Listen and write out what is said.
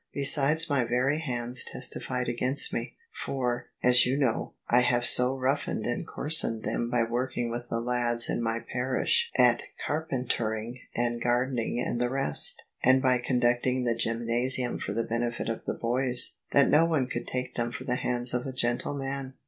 Besides my very hands testified against me; for, as you know, I have so roughened and coarsened them by working with the lads in my parish at carpentering and gardening and the rest, and by conducting the gjrmnasium for the benefit of the hoys, that no one could take them for the hands of a gentleman.